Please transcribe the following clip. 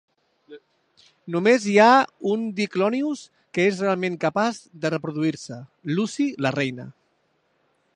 Només hi ha un Diclonius que es realment capaç de reproduir-se: Lucy, la "reina".